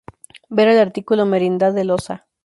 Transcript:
Ver el artículo Merindad de Losa.